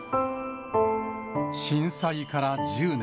震災から１０年。